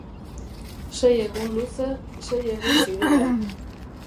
Sei egun luze, sei egun sideral.